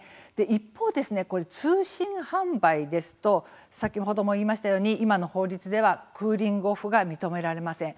一方ですね、通信販売ですと先ほども言いましたように今の法律ではクーリング・オフが認められません。